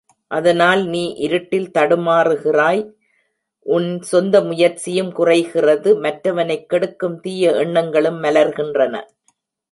அதனால் நீ இருட்டில் தடுமாறுகிறாய் உன் சொந்த முயற்சியும் குறைகிறது மற்றவனைக் கெடுக்கும் தீய எண்ணங்களும் மலர்கின்றன.